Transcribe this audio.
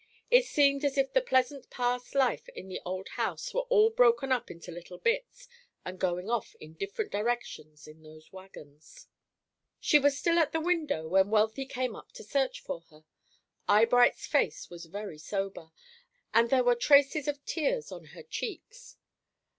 It seemed as if the pleasant past life in the old house were all broken up into little bits, and going off in different directions in those wagons. She was still at the window when Wealthy came up to search for her. Eyebright's face was very sober, and there were traces of tears on her cheeks.